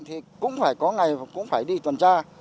thì cũng phải có ngày cũng phải đi tuần tra